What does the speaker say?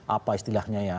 apa istilahnya ya